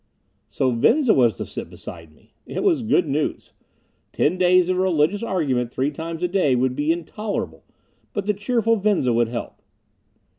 So Venza was to sit beside me. It was good news. Ten days of a religious argument three times a day would be intolerable. But the cheerful Venza would help.